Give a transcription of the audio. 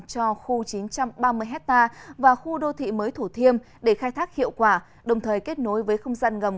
cho khu chín trăm ba mươi hectare và khu đô thị mới thủ thiêm để khai thác hiệu quả đồng thời kết nối với không gian ngầm